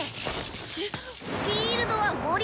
フィールドは森だ！